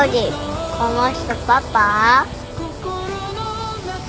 この人パパ？